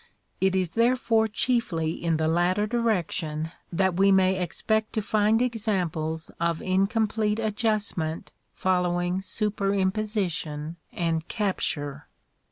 It is therefore chiefly in the latter direction that we may expect to find examples of incomplete adjustment following superimposi tion and capture.